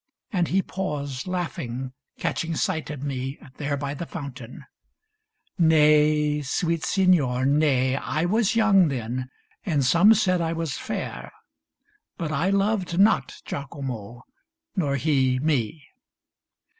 And he paused laughing, catching sight of me There by the fountain. — Nay, sweet Signor, nay ! I was young then, and some said I was fair ; But I loved not Giacomo, nor he me.